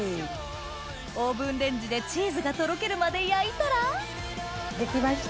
オーブンレンジでチーズがとろけるまで焼いたら出来ました。